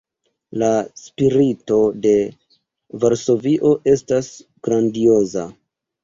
La spirito de Varsovio estas grandioza.